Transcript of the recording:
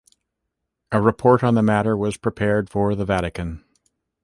A report on the matter was prepared for the Vatican.